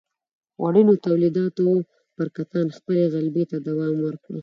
وړینو تولیداتو پر کتان خپلې غلبې ته دوام ورکړ.